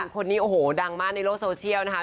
คนนี้โอ้โหดังมากในโลกโซเชียลนะคะ